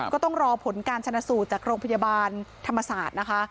ก็ต้องรอผลการชนะสูตรจากโรงพยาบาลธรรมศาสตร์นะคะ